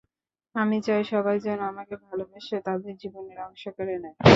আমি চাই সবাই যেন আমাকে ভালোবাসে, তাদের জীবনের অংশ করে নেয়।